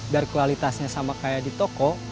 biar kualitasnya sama kayak di toko